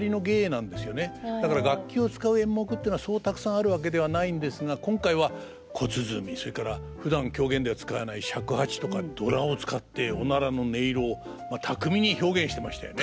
だから楽器を使う演目っていうのはそうたくさんあるわけではないんですが今回は小鼓それからふだん狂言では使わない尺八とかドラを使っておならの音色を巧みに表現してましたよね。